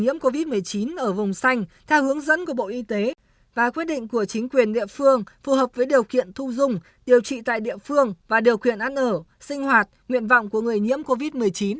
nhiễm covid một mươi chín ở vùng xanh theo hướng dẫn của bộ y tế và quyết định của chính quyền địa phương phù hợp với điều kiện thu dung điều trị tại địa phương và điều kiện ăn ở sinh hoạt nguyện vọng của người nhiễm covid một mươi chín